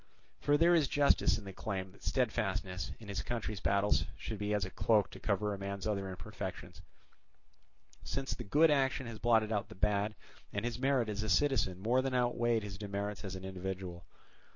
For there is justice in the claim that steadfastness in his country's battles should be as a cloak to cover a man's other imperfections; since the good action has blotted out the bad, and his merit as a citizen more than outweighed his demerits as an individual.